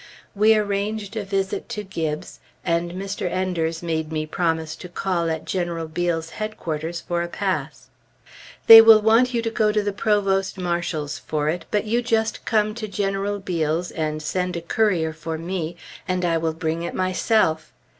We arranged a visit to Gibbes, and Mr. Enders made me promise to call at General Beale's headquarters for a pass. "They will want you to go to the Provost Marshal's for it, but you just come to General Beale's, and send a courier for me, and I will bring it myself!"